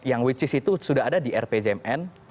yang which is itu sudah ada di rpjmn